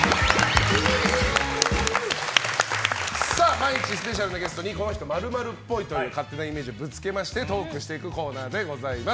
毎日、スペシャルなゲストにこの人○○っぽいと勝手なイメージをぶつけましてトークしていくコーナーでございます。